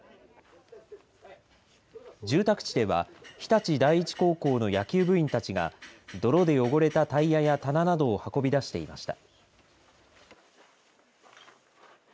住宅地では日立第一高校の野球部員たちが泥で汚れたタイヤや棚などを運び出していました。